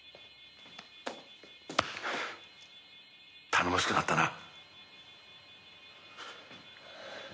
頼もしくなったな。